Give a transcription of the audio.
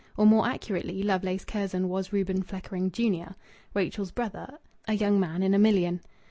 Or, more accurately, Lovelace Curzon was Reuben Fleckring, junior, Rachel's brother, a young man in a million.